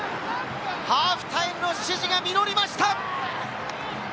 ハーフタイムの指示が実りました！